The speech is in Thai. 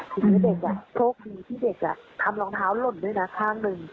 ทีนี้เด็กโชคดีที่เด็กทำรองเท้าหล่นด้วยนะข้างหนึ่ง